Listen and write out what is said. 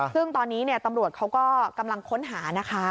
ซึ่งตอนนี้ตำรวจเขาก็กำลังค้นหานะคะ